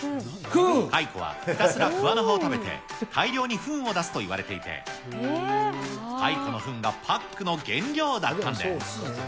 蚕はひたすら桑の葉を食べて、大量にふんを出すといわれていて、蚕のふんがパックの原料だったんです。